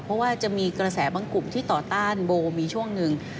เพราะว่าจะมีกระแสบางกลุ่มที่ต่อต้านโบมีช่วงหนึ่ง